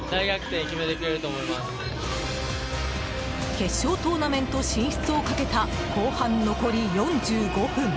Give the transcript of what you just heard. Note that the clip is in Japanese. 決勝トーナメント進出をかけた後半残り４５分。